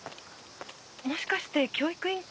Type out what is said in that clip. もしかして教育委員会の。